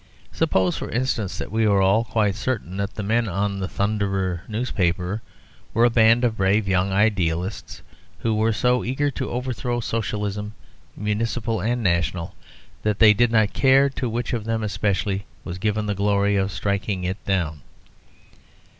Suppose, for instance, that we were all quite certain that the men on the Thunderer newspaper were a band of brave young idealists who were so eager to overthrow Socialism, Municipal and National, that they did not care to which of them especially was given the glory of striking it down.